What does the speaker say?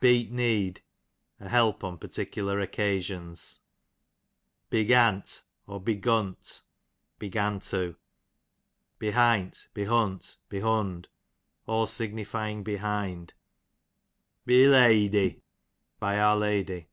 Beet need, a help on particular occasions. Begant', ; Begunt'jJ Behint, behunt, behund ; cdl sig nifying behind. Beleady, by our lady.